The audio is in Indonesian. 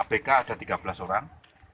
apk ada tiga belas orang